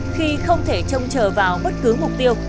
khi không thể trông chờ vào bất cứ mục tiêu